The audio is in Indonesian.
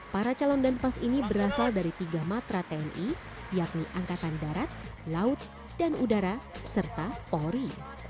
para calon dan pas ini berasal dari tiga matra tni yakni angkatan darat laut dan udara serta polri